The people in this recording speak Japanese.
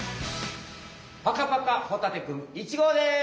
パカパカホタテくん１号です！